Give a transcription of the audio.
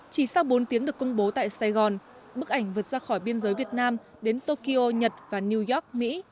chỉ sau bốn tiếng được công bố tại sài gòn bức ảnh vượt ra khỏi biên giới việt nam đến tokyo nhật và new york mỹ